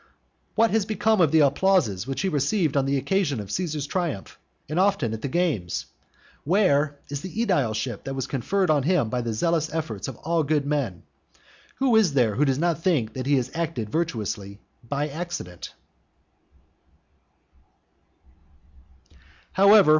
What has become of the applauses which he received on the occasion of Caesar's triumph, and often at the games? Where is the aedileship that was conferred on him by the zealous efforts of all good men? who is there who does not now think that he acted virtuously by accident?